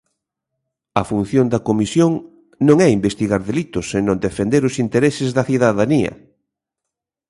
A función da comisión non é investigar delitos, senón defender os intereses da cidadanía.